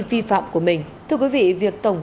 vi phạm của mình thưa quý vị việc tổng